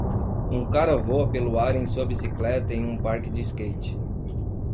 Um cara voa pelo ar em sua bicicleta em um parque de skate.